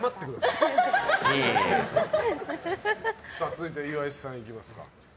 続いて岩井さんいきますか。